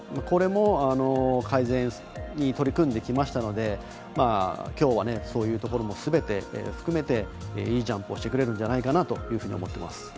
これも改善に取り組んできましたのできょうは、そういうところもすべて含めていいジャンプをしてくれるんじゃないかなと思っています。